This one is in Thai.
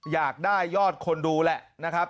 อยากได้ยอดคนดูแหละนะครับ